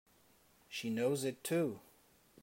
She knows it too!